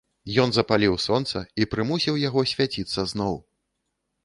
Ён запаліў сонца і прымусіў яго свяціцца зноў!